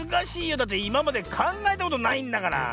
だっていままでかんがえたことないんだから。